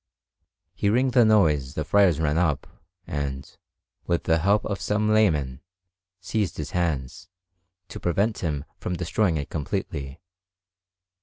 Hearing the noise, the friars ran up, and, with the help of some laymen, seized his hands, to prevent him from destroying it completely.